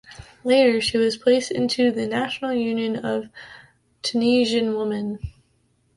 Later she was placed into the National Union of Tunisian Women.